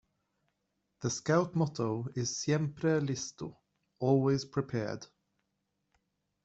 The Scout Motto is "Siempre Listo", "Always Prepared".